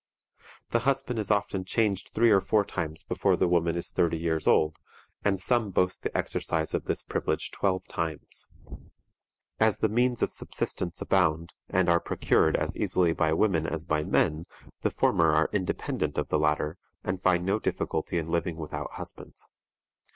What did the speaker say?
The husband is often changed three or four times before the woman is thirty years old, and some boast the exercise of this privilege twelve times. As the means of subsistence abound, and are procured as easily by women as by men, the former are independent of the latter, and find no difficulty in living without husbands.